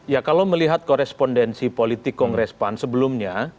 ya kalau melihat korespondensi politik kongres pan sebelumnya